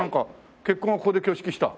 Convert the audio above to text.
結婚はここで挙式した？